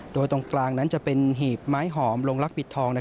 โดยตรงกลางนั้นจะเป็นหีบไม้หอมลงลักษิทอง